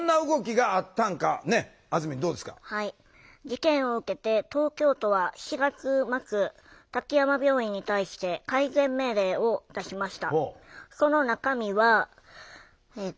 事件を受けて東京都は４月末滝山病院に対して改善命令を出しました。